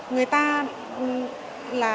người ta là